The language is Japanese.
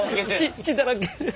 血だらけ。